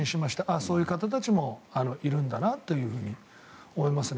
そういう方たちもいるんだなと思いますね。